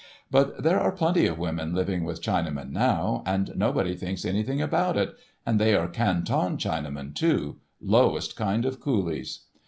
But there are plenty of women living with Chinamen now, and nobody thinks anything about it, and they are Canton Chinamen, too—lowest kind of coolies.